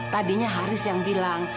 tadinya haris yang bilang